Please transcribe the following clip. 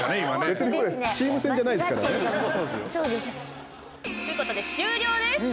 別に、これチーム戦じゃないですからね。ということで終了です。